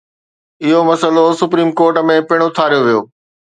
اهو معاملو supreme court ۾ پڻ اٿاريو ويو.